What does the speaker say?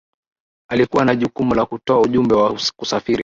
alikuwa na jukumu la kutoa ujumbe wa kusafiri